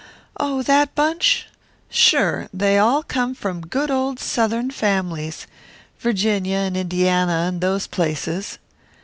"Oh, that bunch? Sure, they all come from good old Southern families Virginia and Indiana and those places."